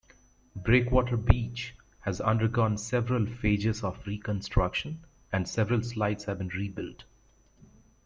Breakwater Beach has undergone several phases of reconstruction, and several slides have been rebuilt.